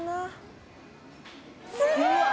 すごい！